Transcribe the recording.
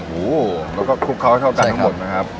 โอ้โหแล้วก็คลุกเขาให้เข้ากันทั้งหมดนะครับ